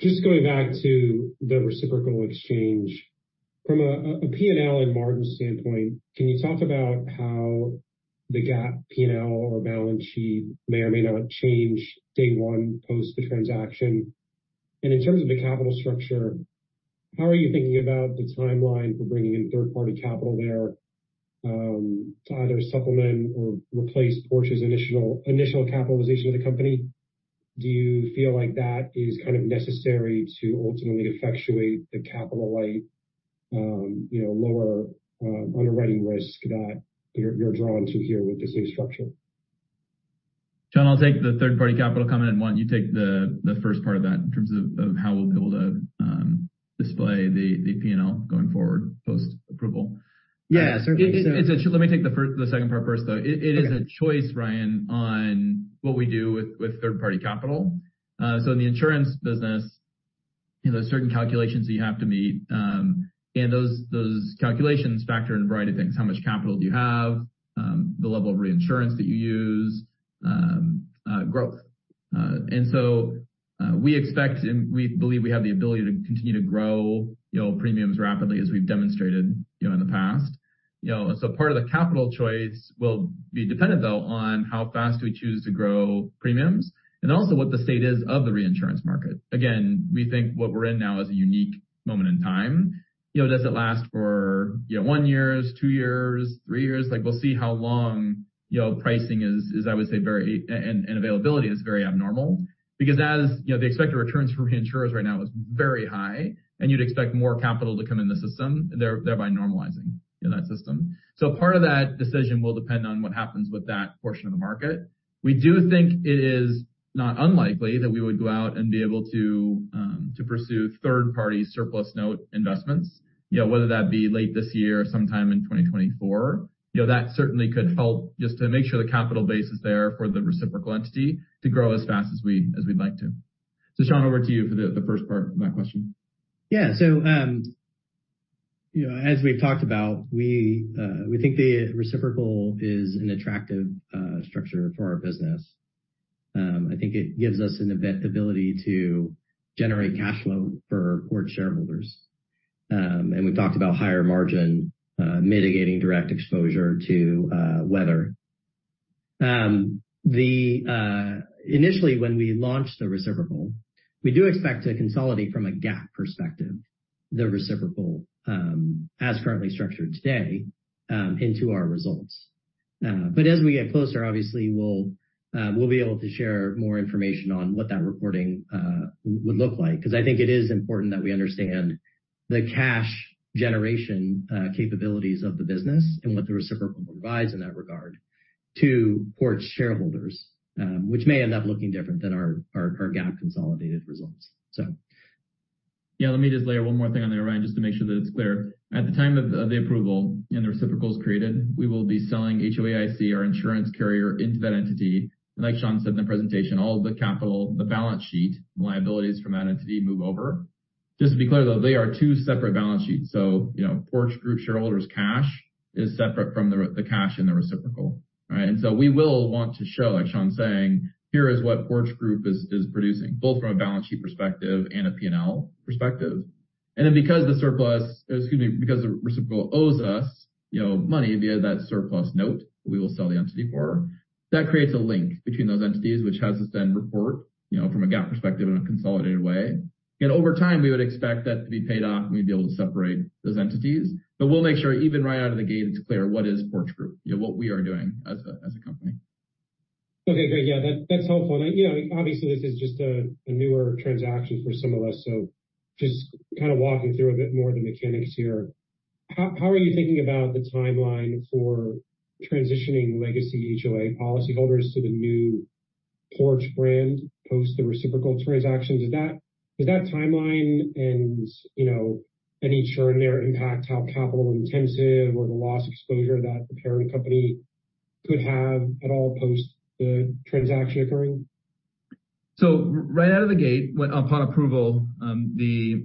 Just going back to the reciprocal exchange. From a GAAP P&L and margin standpoint, can you talk about how the GAAP P&L or balance sheet may or may not change day one post the transaction? In terms of the capital structure, how are you thinking about the timeline for bringing in third-party capital there to either supplement or replace Porch's initial capitalization of the company? Do you feel like that is kind of necessary to ultimately effectuate the capital light, you know, lower underwriting risk that you're drawn to here with this new structure? Shawn, I'll take the third-party capital comment, and one, you take the first part of that in terms of how we'll be able to display the P&L going forward post-approval. Yeah, certainly. Let me take the first, the second part first, though. Okay. It is a choice, Ryan, on what we do with third-party capital. In the insurance business, you know, there's certain calculations that you have to meet. Those calculations factor in a variety of things. How much capital do you have? The level of reinsurance that you use, growth. We expect and we believe we have the ability to continue to grow, you know, premiums rapidly as we've demonstrated, you know, in the past. You know, part of the capital choice will be dependent, though, on how fast we choose to grow premiums and also what the state is of the reinsurance market. Again, we think what we're in now is a unique moment in time. You know, does it last for, you know, one years, two years, three years? Like, we'll see how long, you know, pricing is, I would say, very. And availability is very abnormal because as, you know, the expected returns for insurers right now is very high, and you'd expect more capital to come in the system, thereby normalizing in that system. Part of that decision will depend on what happens with that portion of the market. We do think it is not unlikely that we would go out and be able to pursue third-party surplus note investments. You know, whether that be late this year or sometime in 2024, you know, that certainly could help just to make sure the capital base is there for the reciprocal entity to grow as fast as we, as we'd like to. Shawn, over to you for the first part of that question. Yeah. you know, as we've talked about, we think the reciprocal is an attractive structure for our business. I think it gives us an ability to generate cash flow for Porch shareholders. We've talked about higher margin, mitigating direct exposure to weather. Initially, when we launched the reciprocal, we do expect to consolidate from a GAAP perspective, the reciprocal, as currently structured today, into our results. As we get closer, obviously we'll be able to share more information on what that reporting would look like. 'Cause I think it is important that we understand the cash generation capabilities of the business and what the reciprocal provides in that regard to Porch shareholders, which may end up looking different than our GAAP consolidated results, so. Yeah, let me just layer one more thing on there, Ryan, just to make sure that it's clear. At the time of the approval and the reciprocal's created, we will be selling HOAIC, our insurance carrier, into that entity. Like Shawn said in the presentation, all of the capital, the balance sheet, liabilities from that entity move over. Just to be clear, though, they are two separate balance sheets. You know, Porch Group shareholders cash is separate from the cash in the reciprocal. All right? We will want to show, like Shawn's saying, here is what Porch Group is producing, both from a balance sheet perspective and a P&L perspective. Because the surplus, excuse me, because the reciprocal owes us, you know, money via that surplus note, we will sell the entity for. That creates a link between those entities, which has us then report, you know, from a GAAP perspective in a consolidated way. Over time, we would expect that to be paid off, and we'd be able to separate those entities. We'll make sure even right out of the gate it's clear what is Porch Group, you know, what we are doing as a company. Okay, great. Yeah, that's helpful. You know, obviously this is just a newer transaction for some of us, so just kind of walking through a bit more of the mechanics here. How are you thinking about the timeline for transitioning legacy HOA policyholders to the new Porch brand post the reciprocal transaction? Is that timeline and, you know, any insurer impact, how capital intensive or the loss exposure that the parent company could have at all post the transaction occurring? Right out of the gate, when upon approval, the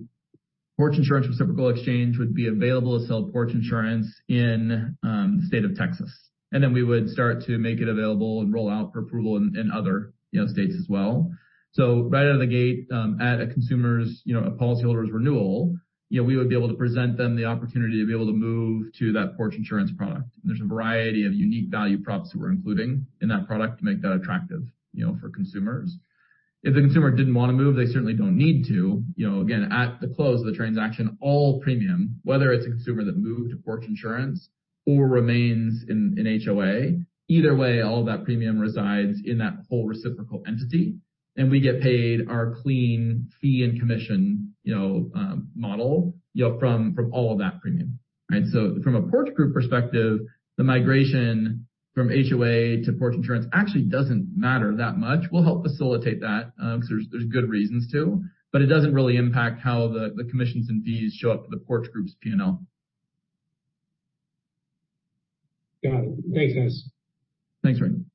Porch Insurance Reciprocal Exchange would be available to sell Porch Insurance in the state of Texas. We would start to make it available and roll out for approval in other, you know, states as well. Right out of the gate, at a consumer's, you know, a policyholder's renewal, you know, we would be able to present them the opportunity to be able to move to that Porch Insurance product. There's a variety of unique value props that we're including in that product to make that attractive, you know, for consumers. If the consumer didn't wanna move, they certainly don't need to. You know, again, at the close of the transaction, all premium, whether it's a consumer that moved to Porch Insurance or remains in HOA, either way, all of that premium resides in that whole reciprocal entity, and we get paid our clean fee and commission, you know, model, you know, from all of that premium. Right? From a Porch Group perspective, the migration from HOA to Porch Insurance actually doesn't matter that much. We'll help facilitate that, 'cause there's good reasons to, but it doesn't really impact how the commissions and fees show up to the Porch Group's P&L. Got it. Thanks, guys. Thanks, Ryan.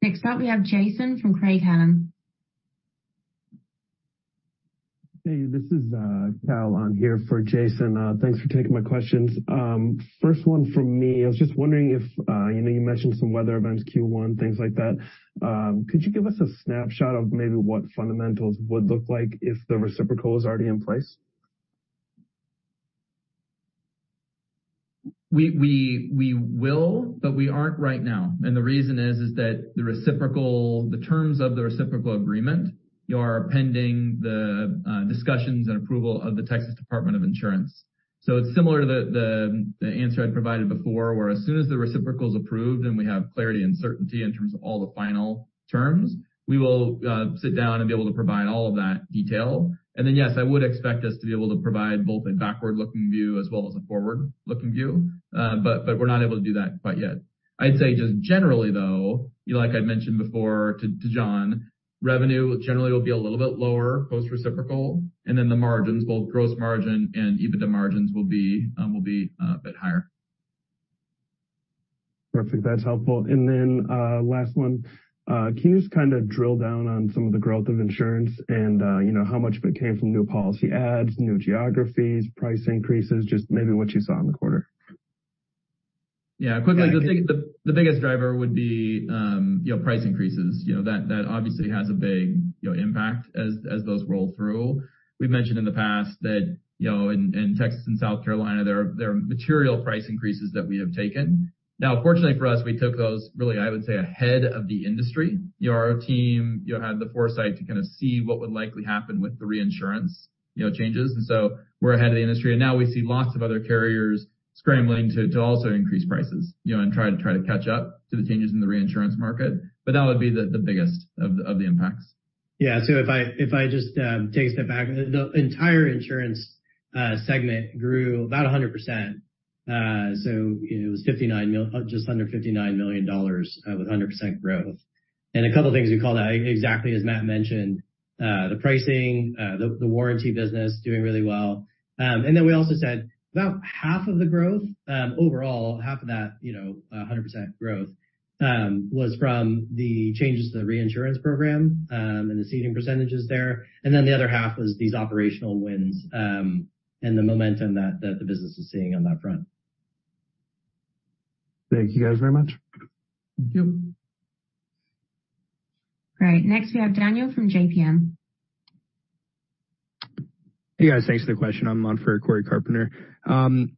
Next up, we have Jason from Craig-Hallum. Hey, this is Cal. I'm here for Jason. Thanks for taking my questions. First one from me, I was just wondering if, you know, you mentioned some weather events, Q1, things like that. Could you give us a snapshot of maybe what fundamentals would look like if the reciprocal is already in place? We will, but we aren't right now. The reason is that the reciprocal, the terms of the reciprocal agreement are pending the discussions and approval of the Texas Department of Insurance. It's similar to the answer I provided before, where as soon as the reciprocal is approved and we have clarity and certainty in terms of all the final terms, we will sit down and be able to provide all of that detail. Then, yes, I would expect us to be able to provide both a backward-looking view as well as a forward-looking view. We're not able to do that quite yet. I'd say just generally, though, you know, like I mentioned before to John, revenue generally will be a little bit lower post reciprocal, and then the margins, both gross margin and EBITDA margins will be a bit higher. Perfect. That's helpful. Last one. Can you just kinda drill down on some of the growth of insurance and, you know, how much of it came from new policy adds, new geographies, price increases, just maybe what you saw in the quarter? Quickly, the biggest driver would be, you know, price increases. You know, that obviously has a big, you know, impact as those roll through. We've mentioned in the past that, you know, in Texas and South Carolina, there are material price increases that we have taken. Now, fortunately for us, we took those, really, I would say, ahead of the industry. You know, our team, you know, had the foresight to kinda see what would likely happen with the reinsurance, you know, changes. So we're ahead of the industry, and now we see lots of other carriers scrambling to also increase prices, you know, and try to catch up to the changes in the reinsurance market. That would be the biggest of the impacts. Yeah. If I just take a step back, the entire insurance segment grew about 100%. You know, it was just under $59 million with 100% growth. A couple of things we called out, exactly as Matt mentioned, the pricing, the warranty business doing really well. We also said about half of the growth, overall, half of that, you know, 100% growth, was from the changes to the reinsurance program, and the ceding percentages there. The other half was these operational wins, and the momentum that the business is seeing on that front. Thank you guys very much. Thank you. All right. Next, we have Daniel from JPM. Hey, guys. Thanks for the question. I'm on for Corey Carpenter. On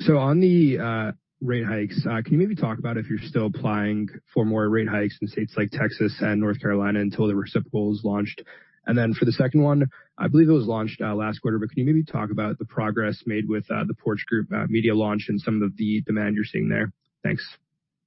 the rate hikes, can you maybe talk about if you're still applying for more rate hikes in states like Texas and North Carolina until the reciprocal is launched? For the second one, I believe it was launched last quarter, can you maybe talk about the progress made with the Porch Group Media launch and some of the demand you're seeing there? Thanks.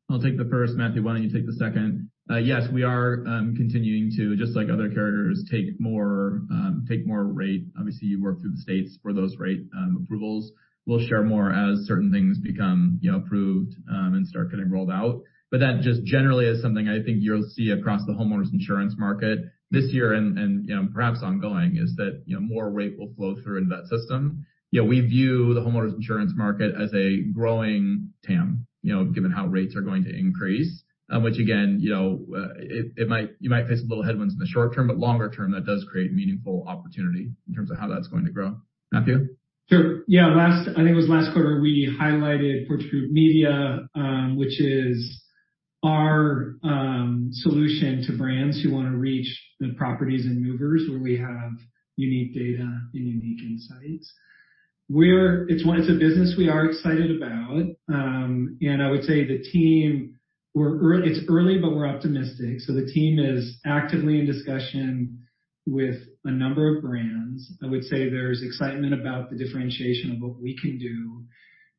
I'll take the first. Matthew, why don't you take the second? Yes, we are continuing to, just like other carriers, take more, take more rate. Obviously, you work through the states for those rate approvals. We'll share more as certain things become, you know, approved and start getting rolled out. That just generally is something I think you'll see across the homeowners insurance market this year and, you know, perhaps ongoing, is that, you know, more rate will flow through in that system. You know, we view the homeowners insurance market as a growing TAM, you know, given how rates are going to increase. Which again, you know, you might face a little headwinds in the short term, but longer term, that does create meaningful opportunity in terms of how that's going to grow. Matthew? Sure. Yeah. I think it was last quarter, we highlighted Porch Group Media, which is our solution to brands who wanna reach the properties and movers where we have unique data and unique insights. It's a business we are excited about. I would say It's early, but we're optimistic. The team is actively in discussion with a number of brands. I would say there's excitement about the differentiation of what we can do,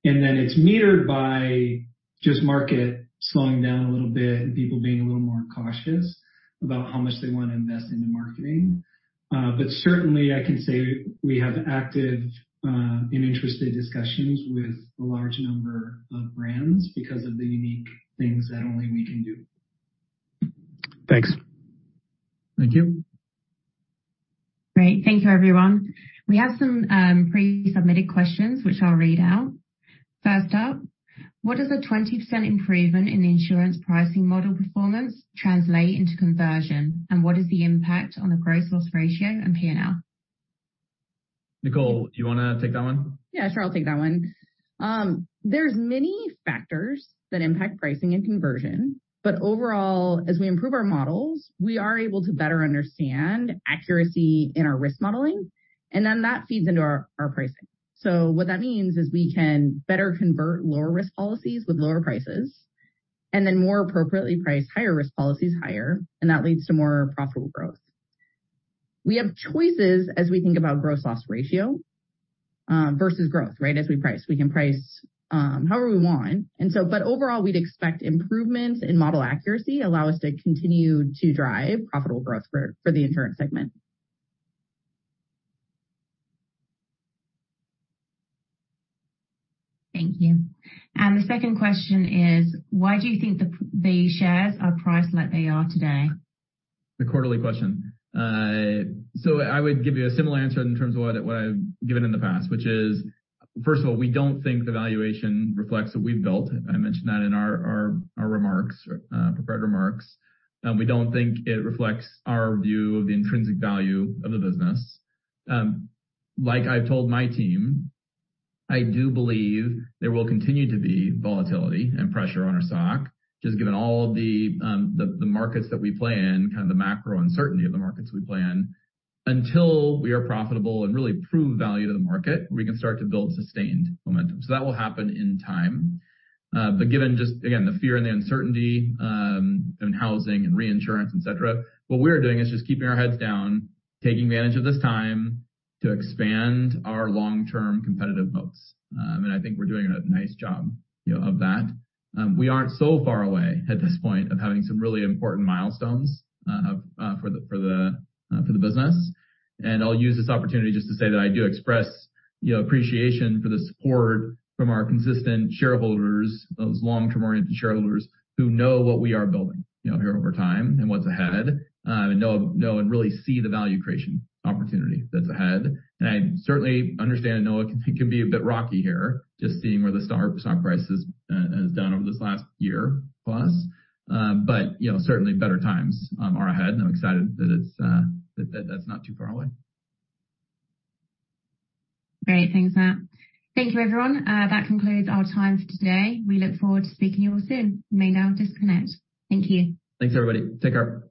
and then it's metered by just market slowing down a little bit and people being a little more cautious about how much they wanna invest into marketing. Certainly, I can say we have active and interested discussions with a large number of brands because of the unique things that only we can do. Thanks. Thank you. Great. Thank you, everyone. We have some pre-submitted questions, which I'll read out. First up, what does a 20% improvement in insurance pricing model performance translate into conversion? What is the impact on the gross loss ratio and P&L? Nicole, do you wanna take that one? Yeah, sure. I'll take that one. There's many factors that impact pricing and conversion. Overall, as we improve our models, we are able to better understand accuracy in our risk modeling, and then that feeds into our pricing. What that means is we can better convert lower risk policies with lower prices, and then more appropriately price higher risk policies higher, and that leads to more profitable growth. We have choices as we think about gross loss ratio versus growth, right? As we price. We can price however we want. Overall, we'd expect improvements in model accuracy allow us to continue to drive profitable growth for the insurance segment. Thank you. The second question is, why do you think the shares are priced like they are today? The quarterly question. I would give you a similar answer in terms of what I've given in the past, which is, first of all, we don't think the valuation reflects what we've built. I mentioned that in our remarks, prepared remarks. We don't think it reflects our view of the intrinsic value of the business. Like I've told my team, I do believe there will continue to be volatility and pressure on our stock, just given all the markets that we play in, kind of the macro uncertainty of the markets we play in. Until we are profitable and really prove value to the market, we can start to build sustained momentum. That will happen in time. Given just, again, the fear and the uncertainty, in housing and reinsurance, et cetera, what we're doing is just keeping our heads down, taking advantage of this time to expand our long-term competitive moats. I think we're doing a nice job, you know, of that. We aren't so far away at this point of having some really important milestones, for the business. I'll use this opportunity just to say that I do express, you know, appreciation for the support from our consistent shareholders, those long-term-oriented shareholders who know what we are building, you know, here over time and what's ahead, and know and really see the value creation opportunity that's ahead. I certainly understand and know it can be a bit rocky here, just seeing where the stock price has done over this last year plus. You know, certainly better times are ahead, and I'm excited that's not too far away. Great. Thanks, Matt. Thank you, everyone. That concludes our time for today. We look forward to speaking with you all soon. You may now disconnect. Thank you. Thanks, everybody. Take care.